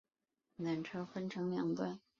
缆车分成两段